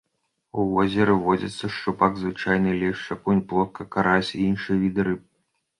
У возеры водзяцца шчупак звычайны, лешч, акунь, плотка, карась і іншыя віды рыб.